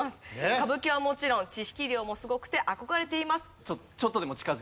「歌舞伎はもちろん知識量もすごくて憧れています」。